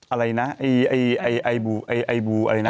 อะไรนะไอ้บูไอบูอะไรนะ